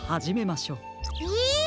え！？